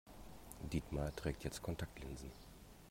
Dietmar trägt jetzt Kontaktlinsen.